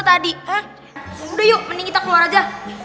eh udah yuk mending kita keluar aja